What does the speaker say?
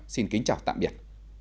xin kính chào tạm biệt